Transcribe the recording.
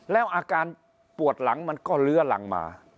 แล้วอาการปวดหลังมันก็เลื้อหลังมา